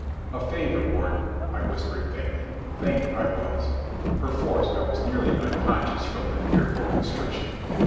"A favour, Warden," I whispered faintly. Faint I was. Perforce I was nearly unconscious from the fearful constriction.